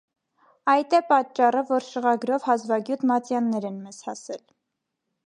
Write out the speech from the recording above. Այդ է պատճառը, որ շղագրով հազվագյուտ մատյաններ են մեզ հասել։